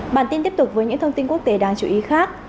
bản tin tiếp tục với những thông tin quốc tế đáng chú ý khác